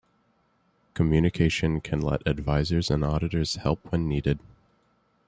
Communication can let advisors and auditors help when needed.